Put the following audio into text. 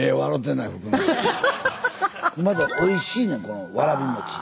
おいしいねんこのわらび餅。